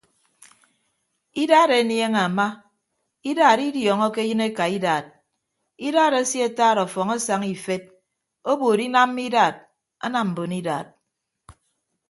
Idaat enieñe ama idaat idiọọñọke eyịn eka idaat idaat esee ataat ọfọñ asaña ifet obuut inamma idaat anam mbon idaat.